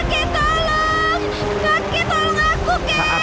kakek kakek tolong